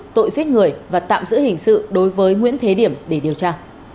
tội giết người và tạm giữ hình sự đối với nguyễn thế điểm để điều tra